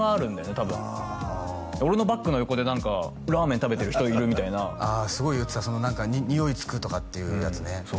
多分俺のバッグの横で何かラーメン食べてる人いるみたいなああすごい言ってたその何かニオイつくとかっていうやつね